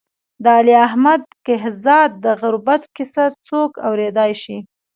د علي احمد کهزاد د غربت کیسه څوک اورېدای شي.